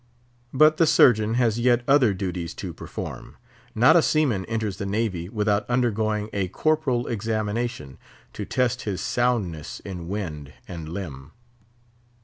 But the Surgeon has yet other duties to perform. Not a seaman enters the Navy without undergoing a corporal examination, to test his soundness in wind and limb.